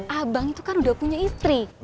abang itu kan udah punya istri